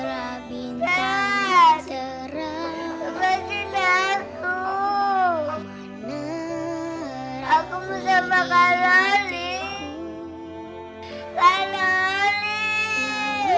aku mau sama kak loli